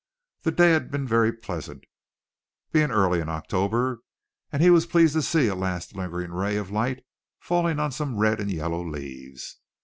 The day had been very pleasant, being early in October, and he was pleased to see a last lingering ray of light falling on some red and yellow leaves.